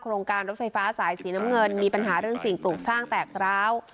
โรงการรถไฟฟ้าสายสีน้ำเงินมีปัญหาเรื่องสิ่งปลูกสร้างแตกร้าว